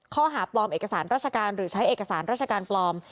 ข้อหาปลอมเอกสารราชการหรือใช้เอกสารราชการปลอม